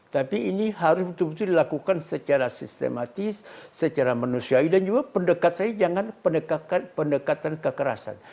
tapi ini harus betul betul dilakukan secara sistematis secara manusiawi dan juga pendekatannya jangan pendekatan kekerasan